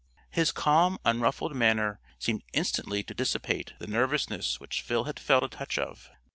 His calm, unruffled manner seemed instantly to dissipate the nervousness which Phil had felt a touch of.